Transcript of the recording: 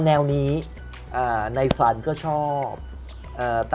แมทโอปอล์